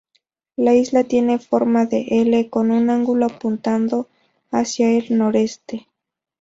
La isla tiene forma de L con un ángulo apuntando hacia el noreste.